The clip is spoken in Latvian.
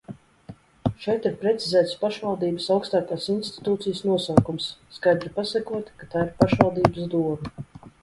Šeit ir precizēts pašvaldības augstākās institūcijas nosaukums, skaidri pasakot, ka tā ir pašvaldības dome.